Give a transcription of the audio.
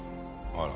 あら！